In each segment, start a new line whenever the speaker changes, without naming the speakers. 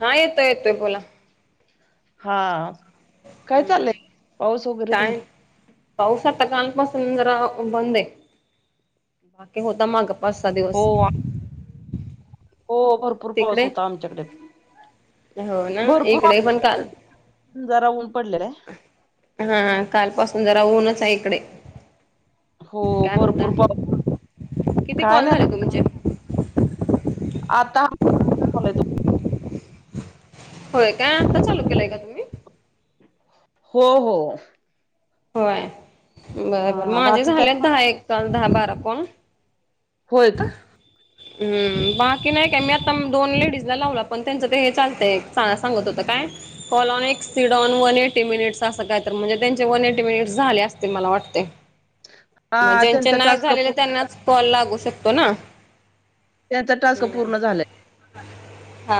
हा, येतोय येतोय बोला.
हा, काय
हम्म
चाललंय? पाऊस वगैरे
काय
तुमचं?
पाऊस आता कालपासून जरा बंद हाय, बाकी होता मागं.
हो, हो भरपूर
तिकडे
पाऊस होता आमच्याकडे.
हो ना
भरपूर,
इकडे पण काल
जरा ऊन पडलं काय?
हा कालपासून जरा ऊनच आहे इकडे.
हो,
काय
भरपूर पाऊस.
म्हणताय, किती
काय
कॉल झाले
नाही
तुमचे?
आता झालंय तू
होय का, आता चालू केलंय का तुम्ही?
हो हो.
होय, बरबर
हां,
माझे
बाकी काय
झाले आता एक कॉल दहा बारा कॉल.
होय का?
हम्म बाकी नाही काय, मी आता दोन लेडीजला लावला. पण त्यांचं ते हे चालतंय, च सांगत होत काय. Call on X one eighty minute असं काय तर, म्हणजे त्यांचे वन एटी मिनिट्स झाले असतील मला वाटतंय. मग
हां,
ज्यांचे
त्यांचा
नाय
टास्क
झालेले,
पूर्ण
त्यांनाच कॉल लागू शकतो ना?
त्यांचा टास्क पूर्ण झालाय.
हा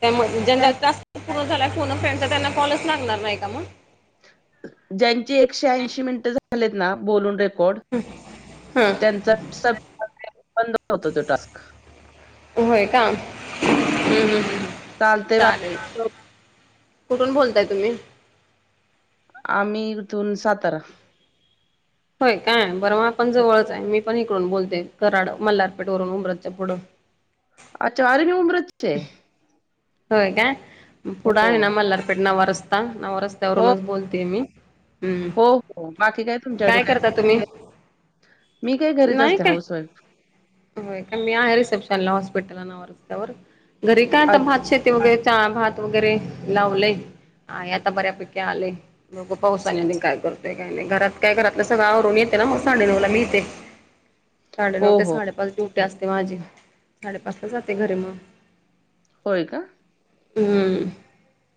त्यामुळे जन का टास्क पूर्ण झालाय फोन अ फ्रेंडचा, त्यांना कॉलच लागणार नाही का मग?
ज्यांची एकशे ऐंशी मिनट झालेत ना बोलून रे कोड
हा
त्यांचा [unintelligible] बंद होतो तो टास्क.
होय का? हम्म, हम्म, हम्म
चालतंय
चालेल.
बाकी
कुठून बोलताय तुम्ही?
आम्ही इथून सातारा.
होय काय? बरं मग आपण जवळच आहे. मी पण इकडून बोलतेय कराड मल्हारपेठवरून उब्रजच्या पुढं.
अच्छा आरे मी उब्रजचीच आहे.
होय काय? पुढं
हो,
आहे ना मल्हारपेठ नवारस्ता नवारस्त
हो.
त्यावरूनच बोलते मी. हम्म,
हो, हो. बाकी तुमच्याकडे
काय करता तुम्ही?
स्पेशल? मी काय घरीच
नाही
असते
काय
हाऊसवाईफ.
होय का? मी आहे रिसेप्शनला हॉस्पिटल नवारस्तावर. घरी काय आता
अच्छा.
भात शि [unintelligible] वगैरे चहा भात वगैरे लावलेय आणि आता बऱ्यापैकी आलेय. बघु पावसाने आणि काय करतय काय नाही. घरात काय घरातलं सगळं आवरून येते ना मग साडेनऊला मी इथे. साडे
हो,
नऊ ते
हो.
साडे पाच ड्युटी असते माझी. साडे पाचला जाते घरी मग.
होय का?
हम्म.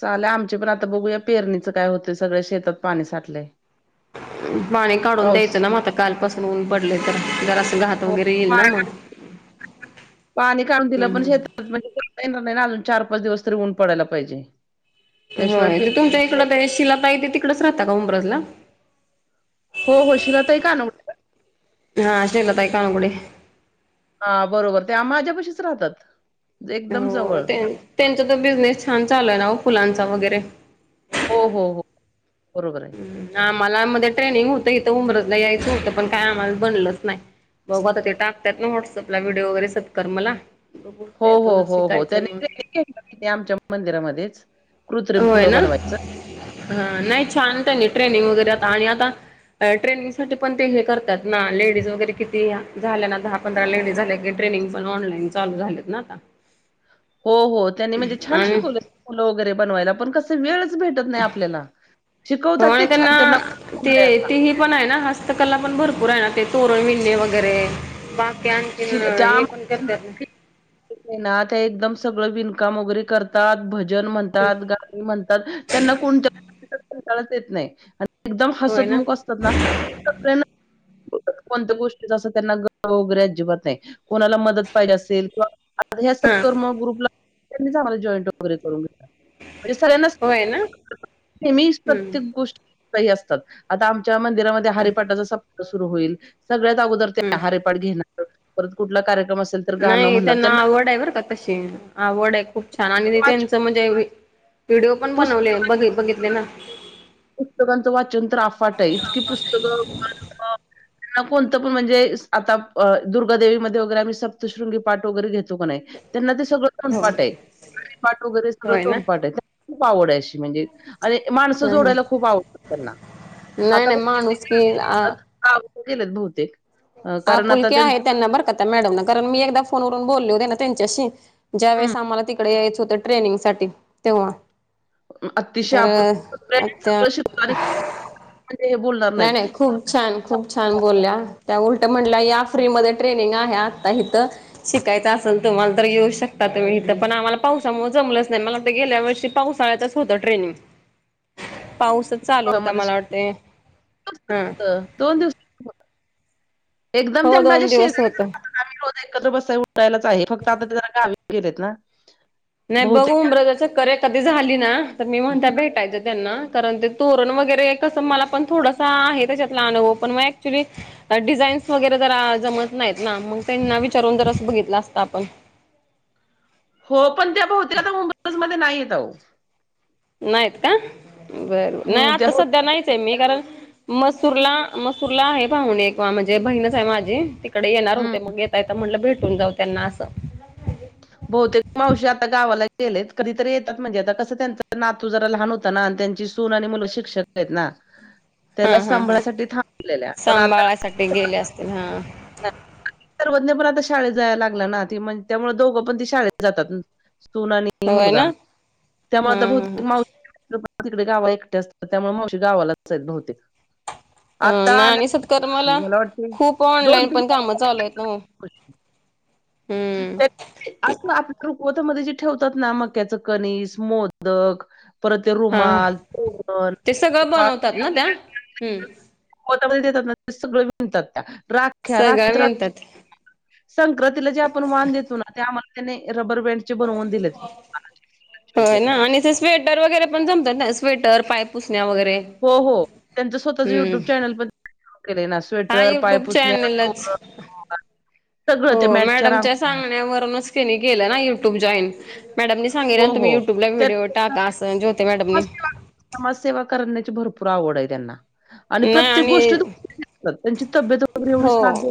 चालु हाय आमचे पण आता बघूया पेरणीचं काय होतंय. सगळ्या शेतात पाणी साठलंय.
पाने काढून
पाऊस
द्यायचं ना मग आता कालपासून ऊन पडलंय तर. जरासं घात वगैरे येईल ना मग
[unintelligible] पाणी काढून दिलं
हम्
पण शेत [unintelligible]
हम्
येणार नाही ना अजून चार पाच दिवस तरी ऊन पडायला पाहिजे. त्याशिवाय
होय.
पे
ते तुमच्या इकडं ते शिलाताई तेे तिकडेच राहता का उंब्रजला?
हो हो. शिलाताई कान
हा शैलाताई काळगुडे.
हा बरोबर ते माझ्यापाशीच राहतात. एकदम
हो
जवळ.
त्यान त्यांचा तर बिझनेस छान चालू आहे ना ओ फुलांचा वगैरे.
हो, हो, हो. बरोबर आहे.
हं आम्हाला मध्ये ट्रेनिंग होतं इथं उब्रजला यायचं होतं, पण काय आम्हाला बनलंच नाही. बघु आता ते टाकतात ना व्हॉट्सअपला व्हिडिओ वगैरे सत्कर्मला बघु त्यातूनच शिकायचं मग.
इथे आमच्या मंदिरामध्येच. कृत्रिम
होय
फुलं
ना?
बनवायचं.
हा नाही छान त्यांनी ट्रेनिंग वगैरे आता आणि आता अं ट्रेनिंगसाठी पण ते हे करतात ना लेडीज वगैरे किती झाल्या ना दहा पंधरा लेडीज झाल्या की ट्रेनिंग पण ऑनलाईन चालू झालेत ना आता.
हो हो. त्यांनी म्हणजे छान
आणि
शिकवले फुलं वगैरे बनवायला, पण कसं वेळच भेटत नाही आपल्याला.
हो
शिकवतात ते
आणि त्यांना
छान
ते
खूप
ते ही पण आहे ना हस्तकला पण भरपूर आहे ना, ते तोरण विणने वगैरे बा ते आणखीन
शिल त्या
हे पण करतात
ना एकदम सगळं विणकाम वगैरे करत तात, भजन
हम्म,
म्हणतात, गाणी म्हणतात त्यांना कोणत्याही [unintelligible] कंटाळाच येत नाही. एकदम
होय ना
हसतमुख असतात ना [inaudible] कोणत्या गोष्टीचा असं त्यांना ग [unintelligible] अजिबात नाही. कोणाला मदत पाहिजे असेल किंवा आता ह्या
हा
सत्कर्म ग्रुपला त्यांनीच आम्हाला जॉईंट वगैरे करून घेतला. म्हणजे सगळ्यांनाच
होय ना
[unintelligible] नेहमी
हम्म
प्रत्येक गोष्टी [unintelligible] हे असतात. आता आमच्या मंदिरामध्ये हरिपाटाचा सप्ताह सुरु होईल. सगळ्या अगोदर ते
हम्म
हरि [unintelligible] परत कुठलं कार्यक्रम असं
नाही त्यांना आवड आहे बरं का तशी आवड आहे. खूप छान आणि
वाच
त्यांचं म्हणजे वि व्हिडिओ पण बनवले
पुस्तक
बघ-बघितले ना.
पुस्तकांचं वाचन तर अफाट आहे. इतकी पुस्तकं [unintelligible] कोणतं पण म्हणजे आता अ दुर्गादेवीमध्ये वगैरे आम्ही सप्तशृंगी पाठ वगैरे घेतो का नाही त्यांना ते सगळं
हो
तोंडपाठ आहे [inaudible] पाठ वगैरे सगळं
होय ना
तोंडपाठ आहे [inaudible] खूप आवड आहे अशी म्हणजे आणि माणसं
हम् हम
जोडायला खूप आवडतात त्यांना
नाही
आता बघ.
नाही
[inaudible]
माणूस की
[unintelligible] गेलत बहुतेक. अ
आ
कारण आता
पुलके
त्यां
आहे त्यांना बरं का ते मॅडमना मी एकदा फोनवरून बोलले होते ना त्यांच्यासी ज्या
हं
वळेस आम्हाला तिकडे यायचं होतं ट्रेनिंग साठी तेव्हा तर त्या
[unintelligible]
नाही नाही खूम छान खूप छान बोलल्या त्या उलट म्हणल्या या फ्री मध्ये ट्रेनिंग आहे आता हिथं शिकायचं असेल तुम्हाला तर येऊ शकता तुम्ही हिथं पण आम्हाला पावसामुळे जमलच नाही मला तर गेल्या वर्षी पावसाळ्यातच होता ट्रेनिंग पाऊसच चालू होता
त्यामध्येच
मला वाटते हा
[unintelligible]
हो दोन दिवस होत
आम्ही रोज एकत्र बसाय उठायलाच आहे फक्त आता ते जरा गावी गेले आहेत ना
नाही बघ
बहुतेक
उमराजा चक्करे कधी झाली ना तर मी म्हणत्यात भेटायचं त्यांना. कारण ते तोरण वगैरे कसं मला पण थोडसा आहे त्याच्यातला अनुभव पण म ऍक्च्युली तर डिझाईन्स वगैरे जरा जमत नाहीत ना मग त्यांना विचारून जर असं बघितलं असता आपण.
हो पण त्या बहुतेक आता मुंबई [unintelligible] मध्ये नाही येताव.
नाहीत का बरं नाही
त्या
आता सध्या नाहीच आहे मी
बहुतेक
कारण मसूरला मसूरला आहे पाहून एक म्हणजे बहीणच आहे माझी तिकडे येणार
हं.
होते मगे ते आता म्हटलं भेटून जाऊ त्यांना असं.
बहुतेक मावशी आता गावाला गेलेत कधीतरी येतात म्हणजे आता कसं त्यांच नातू जरा लहान होता ना आणि त्यांची सू सून आणि मुलं शिक्षक आहेत ना.
हा
त्याला
हा हा
सांभाळायसाठी थांबलेल्या
सांभाळासाठी गेले असतील हा.
ना सर्वज्ञ पण आता शाळेत जायला लागला ना ती म्हण त्यामुळे दोघं पण ते शाळेत जातात सुन आणि ते
होय
मुलगा
ना हा
त्यामुळे आता
हा हा
बहुतेक माऊ [inaudible] तिकडे गाव एकटे असतात त्यामुळे मावशी गावालाच बहुतेक.
अ
आता
नाही आणि सत्कार
आल्या
मला
वाटते
खूप
दोन
ऑनलाईन पण कामं चालू आहेत ना म.
क असं आपल्या रुखवतमध्ये जे ठेवतात ना मक्याचा कनिस, मोदक परत ते
हा हा
रुमाल तोरण
ते सगळं
किंवा. [inaudible]
बनवतात ना त्या हम्म
[unintelligible] देतात सगळं बांधतात त्या रा ख्या
सगळं
राखीत
मिळतात
[inaudible] संक्रातिला जे आपण वान देतो ना त्या आम्हाला त्याने रबर बँड
होय
वगैरे
ना आणि ते स्वेटर वगैरे पण जमतात ना स्वेटर पाइप
हो हो त्यांचां स्वतःच
हम्म
युट्यूब चॅनल पण [inaudible] ना
हा
स्वेटर
युट्यूब
पायपूसणे. [inaudible]
चॅनलच हो मॅडमच्या सांगण्यावरूनच केनी गेलं ना युट्यूब जॉईन. मॅडम न सांगेना
हो,
ततुम्ही
हो.
युट्यूबला विडिओ
त्या
टाका असं ज्योती मॅडमने.
समाजसेेवा करण्याची भरपूर आवड आहे त्यांना. आणि
नाही
प्रत्येक
आणि
गोष्टी [inaudible] त्यांची तब्येत वगैरे एवढी
हो
साध्य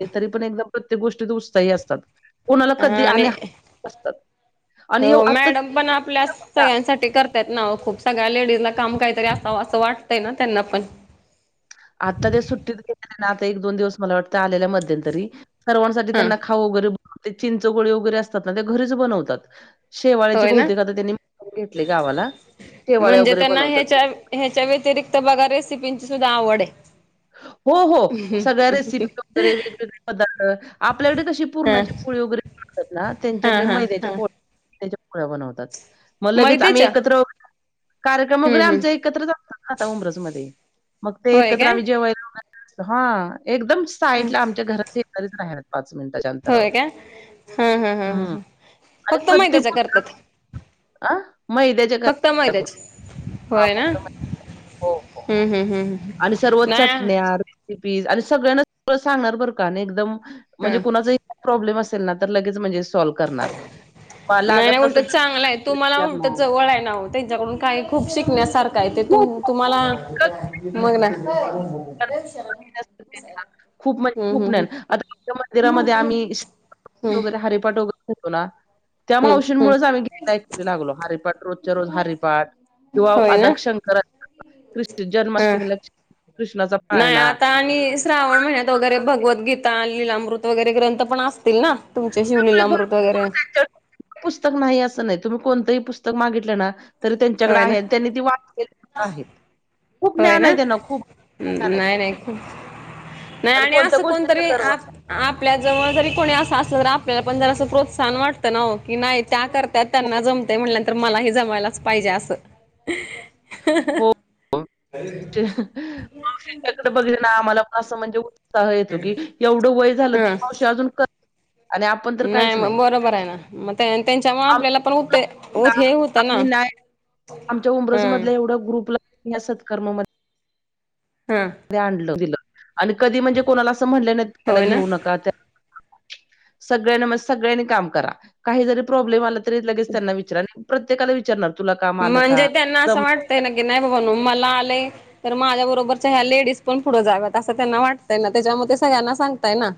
हे तरी पण एकदम प्रत्येक गोष्टीत उत्साही असतात कोणाला कधी आणि [inaudible] असतात आणि एव
हो
आता ते-
मॅडम पण आपल्यास सगळ्यांसाठी करतायत ना खूप सगळ्या लेडीजला काम काहीतरी असावं असं वाटतंय ना त्यांना पण.
आता ते सुट्टीत गेलेले आता एक दोन दिवस मला वाटतं आलेल्या मध्यंतरी सर्वांसाठी
हा
त्यांना खाऊ वगैरे [inaudible] चिंच गोळी वगैरे असतात ना घरीच बनवतात. शेवाळ्याची
होय ना
बहुतेक आता त्यांनी [inaudible] घेतले गावाला शेवाळे
म्हणजे
वगैरे
त्यांना
बनवतात ब.
ह्याच्या ह्याच्या व्यतिरिक्त बघा रेसिपींची सुद्धा आवड आहे.
हो हो. सगळ्या रेसिपी वगैरे वेगवेगळे पदार्थ आपल्याकडे कशी
हा
पूर्णाची पोळी वगैरे असतात ना
हा
त्यांच्याकडे
हा
मैद्याच्या
हा
पो [inaudible] च्या पोळ्या बनवतात. मग लगेच आम्ही
मैद्याच्या
एकत्र कार्यक्रम
हम्म
वगैरे
हम्म
आमचे एकत्रच असतात ना आता उमरसमध्ये मग ते
होय
एकत्र
काय
आम्ही [unintelligible] हा एकदम
ह
साईडला आमच्या घरात. [unintelligible] पाच मिनिटाच्या
होय
अंतरावर
का हा हा हा ह
हम्म
ह
आणि
फक्त
प्रत्येक.
मैद्याच्या
[unintelligible]
करतात
आ मैद्या
फक्त मैद्याच होय ना
मैदा. हो, हो.
हम्म हम्म हम्म.
आणि सर्व
हम्म नाही हा
चटण्या रेसिपीस आणि सगळ्यांना सांगणार बरं का नाही एकदम म्हणजे कुणाचाही प्रॉब्लेम असेल ना, तर लगेच म्हणजे सॉल्व करणार. पा-
नाही
लागत
नाही उलटं
नसेल तर
चांगलं आहे तुम्हाला उलटं
विचारणार.
जवळ आहे ना हो त्यांच्याकडून काय खूप शिकण्यासारखं आहे ते
खूप
तुम तुम्हाला मग ना
[inaudible] खूप म्हणजे
हम्म हम्म
खूपज्ञान आता [inaudible] तर मंदिरामध्ये आम्ही [inaudible]
हम्म
वगैरे हरिपाट वगैरे घेतो ना त्या
हम्म
मावशींमुळेच
हम्म
आम्ही गेयला एककरी लागलो हरिपाट रोजच्या रोज हरिपाट किंवा
होय ना
आदकशंकरा [inaudible] कृष्ण
हा
जन्माष्टमीला कृष्णाचा
नाही
पाळणा
आता आणि श्रावण महिन्यात वगैरे भगवदगीता लीलामृत वगैरे ग्रंथ पण असतील ना. तुमच्या
पुस्तकाकडे
शिवलीलामृत
भरपूर
वगैरे
त्यांच्याकडे पुस्तक नाही असं नाही तुम्ही कोणतंही पुस्तक मागितलं ना तरी त्यांच्याकडे
होय
आहे
ना
आणि त्यांनी ती वाचलेली आहेत खूप
होय
ज्ञान
ना
आहे त्यांना खूप ज्ञान आहे
नाही नाही
शिक
खूप नाही आणि
कोणत्या
असं
गोष्टीचा
कोणतरी
गर्व
आप
नाही
आपल्या जवळ जरी कोणी असं असलं तरी आपल्याला पण जरा असं प्रोत्साहन वाटतं ना हो की नाही त्या कर त्यात
खूप
त्यांना जमते म्हणल्यानंतर मलाही जमयलाच पाहिजे असं.
[inaudible] कडे बघले ना आम्हाला पण असं म्हणजे उ काह येतो की एवढं वय झालं
हा
[inaudible] मावशी अजून. [inaudible] आपण तर
नाही
काहीच
म बरोबर आहे ना म त्यां त्यांच्यामुळं आपल्याला पण
आमचं
होते ओत हे होत ना.
आम्ही नाही आमच्या
हा
उमरजमधल्या एवढा ग्रुपला या सत्कर्मा म
हा.
ते आणलं दिलं आणि कधी म्हणजे कोणाला असं म्हणलं नाही त्याला
होय
घेऊ
ना
नका त्या सगळ्यां म सगळ्यांनी काम करा काही जरी प्रॉब्लेम आला तरी लगेच त्यांना विचरा आणि प्रत्येकाला विचारणार तुला काम आलं
म्हणजे
का?
त्यांना असं
जमतय
वाटतंय
का?
न की नाही बा बनू मला आले तर माझ्या बरोबरच्या ह्या लेडीज पण पुढं जाव्यात असं त्यांना वाटतय ना त्याच्यामुळे ते सगळ्यांना सांगताय ना.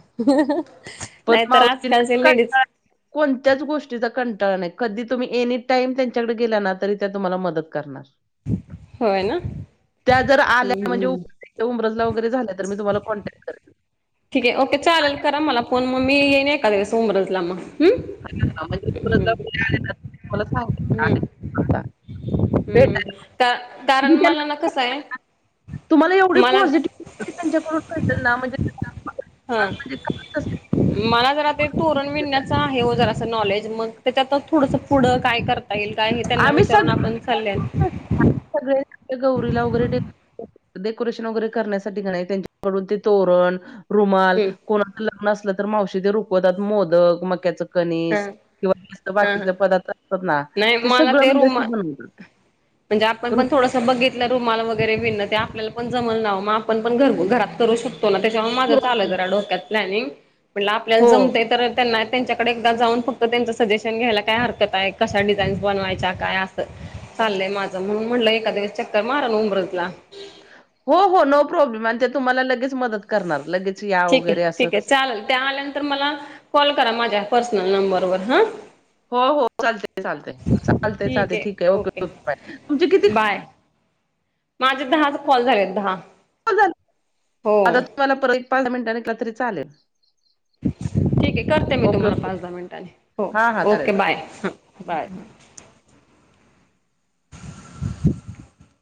पण
नाहीतर
मावशींना
आजकालचे लेडीज
कंटाळा कोणत्याच गोष्टीचा कंटाळा नाही कधी तुम्ही एनी टाईम त्यांच्याकडे गेला ना तरी त्या तुम्हाला मदत करणार.
होय ना.
त्या जर
हम्म
आल्या
हम्म हम्म.
म्हणजे [inaudible] उमरजला वगैरे झाल्या तर मी तुम्हाला कॉन्टॅक्ट करेल.
ठीक आहे ओके चालेल करा मला फोन मग मी येईन एका दिवस उमरजला म्ह. हम्म
[unintelligible]
हम्म
भेटायला
का कारण
तुम्ही
मला
त्यांना
न कसं आहे
तुम्हाला एवढी पॉझिटिविटी
मला
त्यांच्याकडून मिळतील ना म्हणजे
हा
[inaudible]
[inaudible] मला जरा ते तोरण विणण्याचं आहे व जरा असं नॉलेज मग त्याच्यात थोडसा पुढं काय कर का येईल का हे त्यांना
आम्ही
विचारून
सगळे
आपण चालले.
[inaudible] सगळे गौरीला वगैरे डे [inaudible] डेकोरेशन वगैरे करण्यासाठी नाही त्यांच्याकडून ते तोरण, रुमाल
हम्म
कोणाचा लग्न असलं तर मावशी ते रुकवतात मोदक, मक्याच्या
हा
कनिस किंवा [inaudible]
हा हा
बाकीचे पदार्थ असतात ना
नाही
ते
मला
सगळं
दे
म्हणजे
रुमा
असं बनवतात
म्हणजे आपण
रु
पण थो थोडसा बघितल्या रुमाला वगैरे बिननं ते आपल्याला पण जमल नावं म आपण घर घरात करू शक त्याच्यामुळं माझं चाललंय जरा डोक्यात प्लनिंग. म्हंटल आपल्याला
हो
जमतंय तर त्यांना त्यांच्या कडे एकदा जाऊन फक्त त्यांच सजेशन घ्यायला काय हरकत आहे. कशा डिझाईन्स बनवायच्या काय असं. चाललंय माझं म्हणून म्हटलं एखाद्या वेळेस चक्कर मारेन उब्रजला.
हो हो नो प्रॉब्लेम आणि ते तुम्हाला लगेच मदत करणार. लगेच या
ठीक आहे,
वगैरे असं
ठीक आहे
तसं
चाललं त्या आल्यानंतर मला कॉल करा माझ्या पर्सनल नंबरवर हा.
हो हो. चालतंय, चालतंय, चालतंय, चालतंय. ठीक आहे. ओके ओके [unintelligible] तुमची किती
बाय माझे दहाच कॉल झालेत दहा.
[unintelligible]
हो
आता तुम्हाला परत एक [unintelligible] मिनिटांनी केला तरी चालेल.
ठीक आहे करते मी
ओके
तुम्हाला
ओके
पाच दहा मिनिटांने. हो,
हां हां चालेल
ओके बाय हा.
[unintelligible]
[inaudible]